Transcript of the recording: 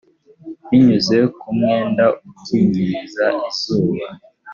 binyuze ku mwenda ukingiriza izuba